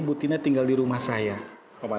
ibu tina tinggal di rumah saya